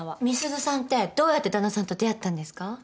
美鈴さんってどうやって旦那さんと出会ったんですか？